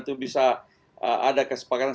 itu bisa ada kesepakatan